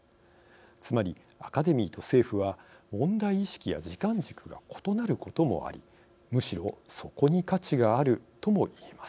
つまり、アカデミーと政府は問題意識や時間軸が異なることもありむしろそこに価値があるとも言えます。